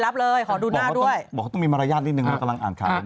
บอกว่าต้องมีมารยาทนิดหนึ่งเมื่อกำลังอ่างขาย